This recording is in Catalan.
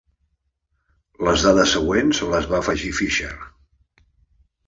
Les dades següents les va afegir Fisher.